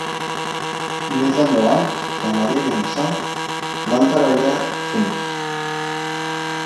Més endavant, la Maria i en Sam van treballar junts.